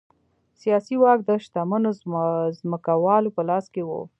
سیاسي واک د شتمنو ځمکوالو په لاس کې و